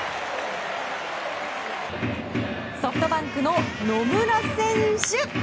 ソフトバンクの野村選手。